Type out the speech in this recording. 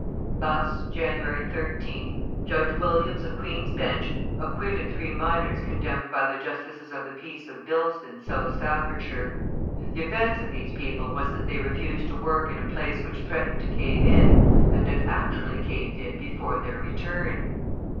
Thus, January 13th, Judge Williams of Queen's bench acquitted three miners condemned by the Justices of the Peace of Bilston, South Staffordshire; the offence of these people was that they refused to work in a place which threatened to cave in, and had actually caved in before their return!